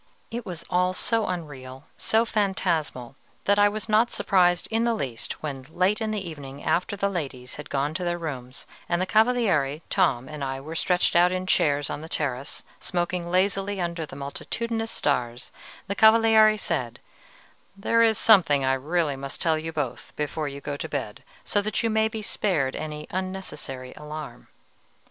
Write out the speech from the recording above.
It was all so unreal, so phantasmal, that I was not surprised in the least when, late in the evening after the ladies had gone to their rooms, and the Cavaliere, Tom, and I were stretched out in chairs on the terrace, smoking lazily under the multitudinous stars, the Cavaliere said, "There is something I really must tell you both before you go to bed, so that you may be spared any unnecessary alarm."